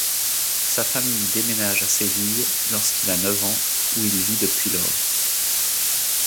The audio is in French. Sa famille déménage à Séville lorsqu'il a neuf ans, où il vit depuis lors.